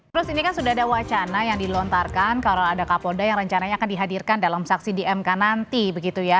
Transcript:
terus ini kan sudah ada wacana yang dilontarkan kalau ada kapolda yang rencananya akan dihadirkan dalam saksi di mk nanti begitu ya